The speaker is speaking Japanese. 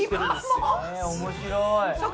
おもしろい。